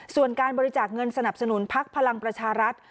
ส่วนการบริจาคเงินสนับสนุนพักพลังประชารัฐ